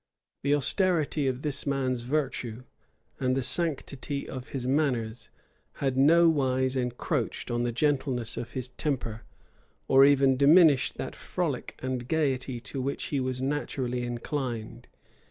The austerity of this man's virtue, and the sanctity of his manners, had nowise encroached on the gentleness of his temper, or even diminished that frolic and gayety to which he was naturally inclined.